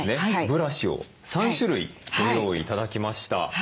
ブラシを３種類ご用意頂きました。